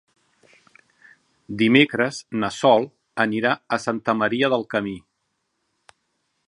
Dimecres na Sol anirà a Santa Maria del Camí.